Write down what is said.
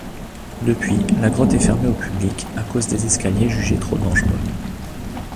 Depuis la grotte est fermée au public à cause des escaliers jugés trop dangereux.